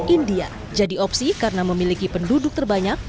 india jadi opsi karena memiliki penduduk terbanyak